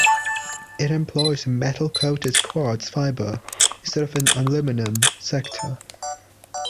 It employs a metal-coated quartz fiber instead of an aluminum sector.